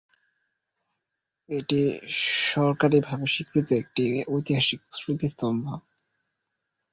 এটি সরকারীভাবে স্বীকৃত একটি ঐতিহাসিক স্মৃতিস্তম্ভ।